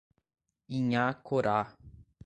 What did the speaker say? Inhacorá